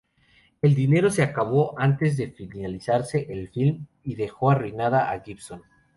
El dinero se acabó antes de finalizarse el film, y dejó arruinada a Gibson.